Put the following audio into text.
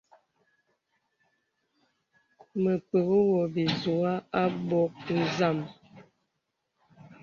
Mə pəkŋì wɔ bìzùghā abɔ̄ɔ̄ zàm.